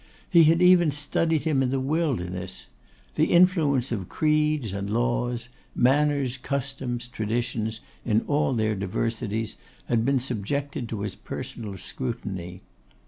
He had even studied him in the wilderness. The influence of creeds and laws, manners, customs, traditions, in all their diversities, had been subjected to his personal scrutiny.